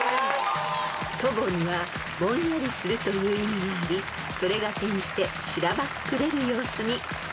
［「恍」にはぼんやりするという意味がありそれが転じてしらばっくれる様子に］